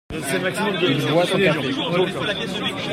Il boit son café.